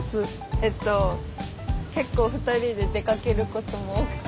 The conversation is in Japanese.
えっと結構２人で出かけることも多くて。